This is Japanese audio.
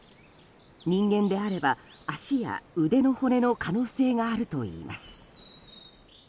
人間であれば、足や腕の骨の可能性があるといいます。